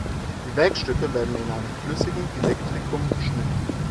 Die Werkstücke werden in einem flüssigen Dielektrikum geschnitten.